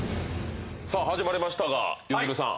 さあ始まりましたがゆずるさん。